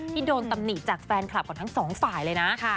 โดนตำหนิจากแฟนคลับของทั้งสองฝ่ายเลยนะ